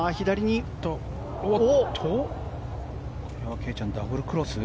圭ちゃん、ダブルクロス？